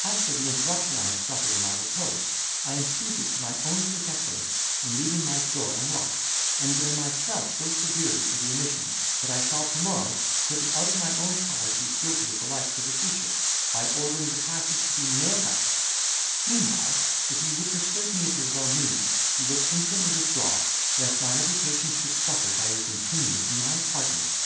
As for the interruption I have suffered in my repose, I impute it to my own forgetfulness, in leaving my door unlocked, and blame myself so severely for the omission, that I shall, to morrow, put it out of my own power to be guilty of the like for the future, by ordering the passage to be nailed up; meanwhile, if you would persuade me of your well meaning, you will instantly withdraw, lest my reputation should suffer by your continuance in my apartment."